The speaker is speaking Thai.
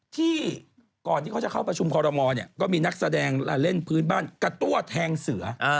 ที่ก่อนที่เขาจะเข้าประชุมคอรมอลเนี่ยก็มีนักแสดงเล่นพื้นบ้านกระตั้วแทงเสือ